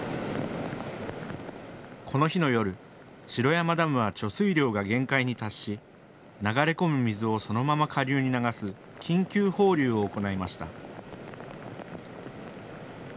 この日の夜、城山ダムは貯水量が限界に達し流れ込む水をそのまま下流に流す緊急放流を行いました。